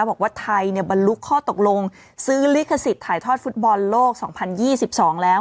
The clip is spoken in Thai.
บอกว่าไทยเนี่ยบรรลุข้อตกลงซื้อลิขสิทธิ์ถ่ายทอดฟุตบอลโลกสองพันยี่สิบสองแล้ว